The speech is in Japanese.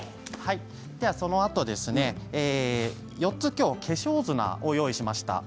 そのあと４つ化粧砂を用意しました。